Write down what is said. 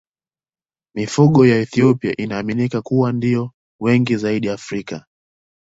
Mifugo ya Ethiopia inaaminika kuwa ndiyo wengi zaidi Afrika.